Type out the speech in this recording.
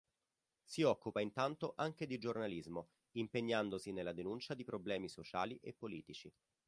Si occupa intanto anche di giornalismo, impegnandosi nella denuncia di problemi sociali e politici.